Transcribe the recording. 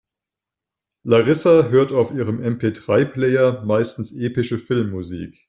Larissa hört auf ihrem MP-drei-Player meistens epische Filmmusik.